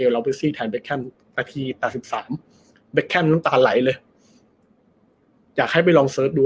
เหมือนคนจะร้องไห้